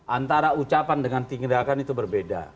antara ucapan dengan tindakan itu berbeda